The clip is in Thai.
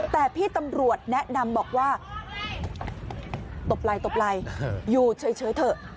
แต่พี่ตำรวจแนะนำบอกว่าตบไหล่ตบไหล่อยู่เฉยเถอะ